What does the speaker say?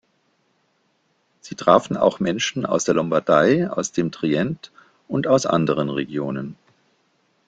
Sie trafen auch Menschen aus der Lombardei, aus dem Trient und aus anderen Regionen.